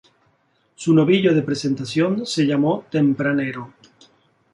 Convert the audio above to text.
Su novillo de presentación se llamó "Tempranero".